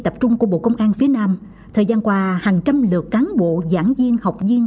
tập trung của bộ công an phía nam thời gian qua hàng trăm lượt cán bộ giảng viên học viên